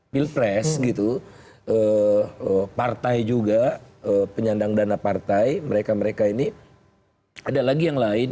pilpres gitu partai juga penyandang dana partai mereka mereka ini ada lagi yang lain